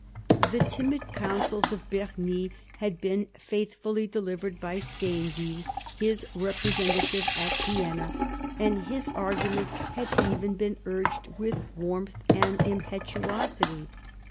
The timid counsels of Bernis had been faithfully delivered by Stainville his representative at Vienna, and his arguments had even been urged with warmth and impetuosity.